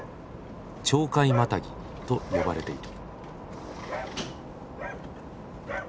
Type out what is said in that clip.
鳥海マタギと呼ばれている。